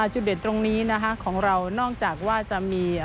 จุดเด่นตรงนี้นะคะของเรานอกจากว่าจะมี